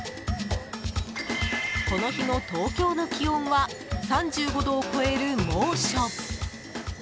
この日の東京の気温は３５度を超える猛暑。